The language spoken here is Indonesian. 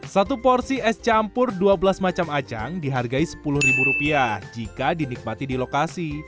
satu porsi es campur dua belas macam acang dihargai sepuluh rupiah jika dinikmati di lokasi